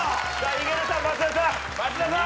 井桁さん松田さん